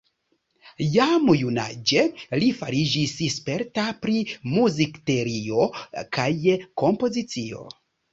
Jam junaĝe li fariĝis sperta pri muzikteorio kaj kompozicio.